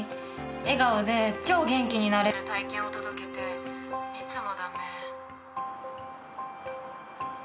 笑顔で超元気になれる体験を届けて密も駄目。